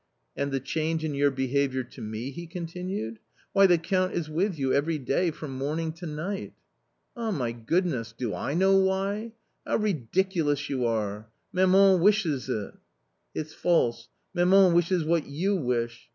" And the change in your behaviour to me?" he continued; " why, the Count is with you every day from morning to night !"" Ah, my goodness, do I know why ? how ridiculous you are ! maman wishes it." " It's false ! maman wishes what you wish.